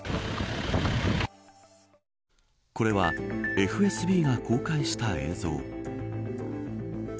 これはＦＳＢが公開した映像。